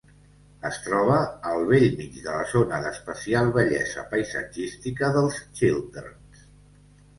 Es troba al bell mig de la zona d'especial bellesa paisatgística dels Chilterns.